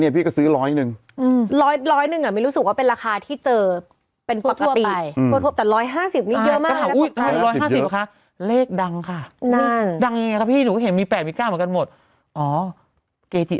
เนี่ยแหละเพราะมีเธอนี่แหละคนเร็วไม่ใช่มีฉันแม่คนซื้อ